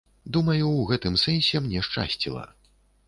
Думаю, у гэтым сэнсе мне шчасціла.